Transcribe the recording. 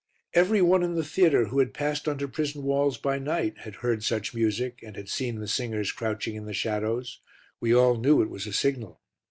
Every one in the theatre who had passed under prison walls by night had heard such music and had seen the singers crouching in the shadows; we all knew it was a signal.